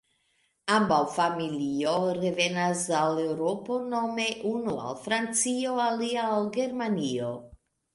Ambaŭ familio revenas al Eŭropo nome unu al Francio, alia al Germanio.